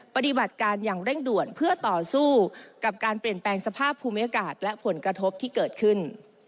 ปฏิบัติการอย่างเร่งด่วนเพื่อต่อสู้กับการเปลี่ยนแปลงสภาพภูมิอากาศและผลกระทบที่เกิดขึ้น